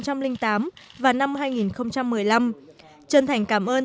chân thành cảm ơn tổng bí thư nguyễn phú trọng